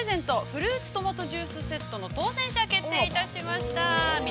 フルーツトマトジュースセットの当せん者が決定いたしました！